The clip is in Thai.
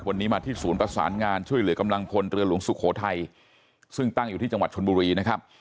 วันนี้มาที่ศูนย์ประสานงานช่วยเหลือกำลังพลเรือหลวงสุโขทัยซึ่งตั้งอยู่ที่จังหวัดชนบุรีนะครับ